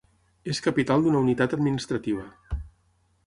És capital d'una unitat administrativa.